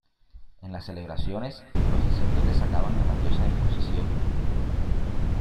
En las celebraciones, los sacerdotes sacaban a la diosa en procesión.